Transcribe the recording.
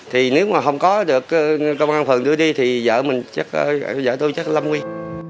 thì nếu mà không có được công an phường đưa đi thì vợ tôi chắc lâm nguyên